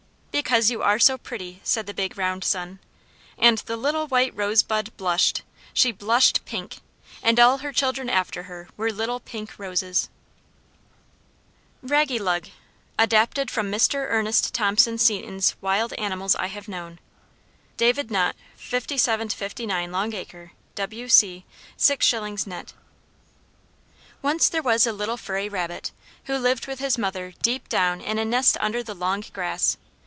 "Because you are so pretty!" said the big round sun. And the little white rosebud blushed! She blushed pink. And all her children after her were little pink roses! RAGGYLUG [Footnote 2: Adapted from Mr Ernest Thompson Seton's Wild Animals I have known. (David Nutt, 57 59 Long Acre, W.C. 6s. net.)] Once there was a little furry rabbit, who lived with his mother deep down in a nest under the long grass.